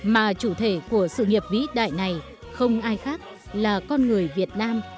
mà chủ thể của sự nghiệp vĩ đại này không ai khác là con người việt nam